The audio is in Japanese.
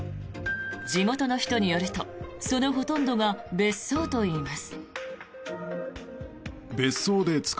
地元の人によるとそのほとんどが別荘といいます。